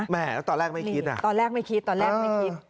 แม่แล้วตอนแรกไม่คิดอ่ะตอนแรกไม่คิดตอนแรกไม่คิด